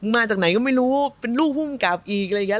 มาจากไหนก็ไม่รู้เป็นลูกภูมิกับอีกอะไรอย่างนี้